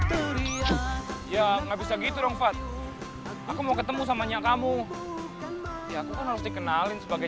begini ya nggak bisa gitu dong aku mau ketemu sama nyak kamu ya aku harus dikenalin sebagai